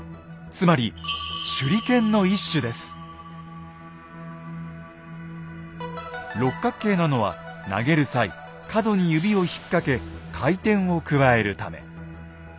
つまり六角形なのは投げる際角に指を引っ掛け回転を加えるため。